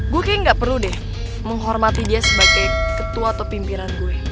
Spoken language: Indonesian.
gue kayaknya gak perlu deh menghormati dia sebagai ketua atau pimpinan gue